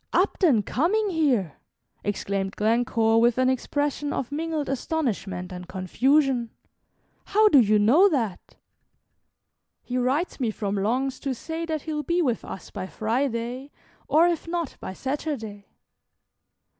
"Upton coming here!" exclaimed Glencore, with an expression of mingled astonishment and confusion; "how do you know that?" "He writes me from Long's to say that he 'll be with us by Friday, or, if not, by Saturday."